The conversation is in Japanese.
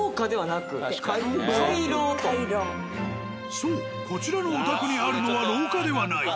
そうこちらのお宅にあるのは廊下ではない。